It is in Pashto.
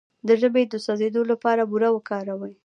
د ژبې د سوځیدو لپاره بوره وکاروئ